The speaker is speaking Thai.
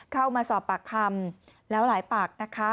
เข้ามาสอบปากคำแล้วหลายปากนะคะ